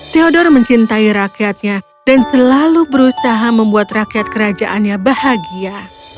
theodor mencintai rakyatnya dan selalu berusaha membuat rakyat kerajaannya bahagia